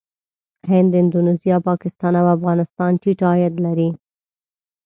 هند، اندونیزیا، پاکستان او افغانستان ټيټ عاید لري.